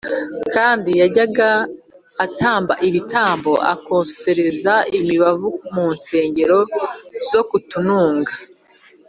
kandi yajyaga atamba ibitambo, akosereza imibavu mu nsengero zo ku tununga.